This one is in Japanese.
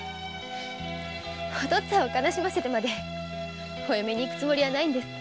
お父っつぁんを悲しませてまで嫁に行く気持ちはないんです。